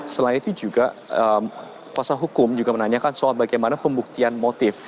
selain itu juga kuasa hukum juga menanyakan soal bagaimana pembuktian motif